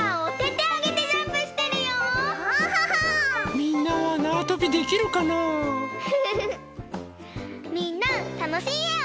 みんなたのしいえを。